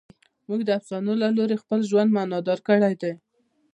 موږ د افسانو له لارې خپل ژوند معنیدار کړی دی.